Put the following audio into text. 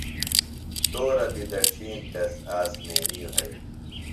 تورہ بیۡ دڇِھین تس آسمینی وھئی۔